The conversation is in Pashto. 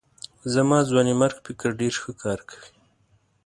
زما ځوانمېرګ فکر ډېر ښه کار کوي.